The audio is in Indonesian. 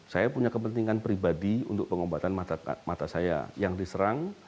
saya punya kepentingan pribadi untuk pengobatan mata saya yang diserang